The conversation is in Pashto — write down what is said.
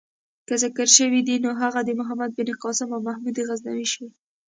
که ذکر شوی دی نو هغه د محمد بن قاسم او محمود غزنوي شوی.